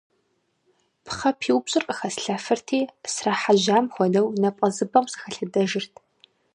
Пхъэ пиупщӀыр къыхэслъэфырти, срахьэжьам хуэдэу, напӀэзыпӀэм сыхэлъэдэжырт.